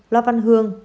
lo văn hương